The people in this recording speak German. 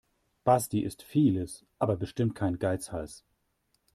Basti ist vieles, aber bestimmt kein Geizhals.